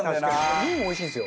２位もおいしいんですよ。